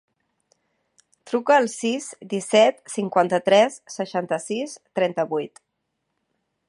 Truca al sis, disset, cinquanta-tres, seixanta-sis, trenta-vuit.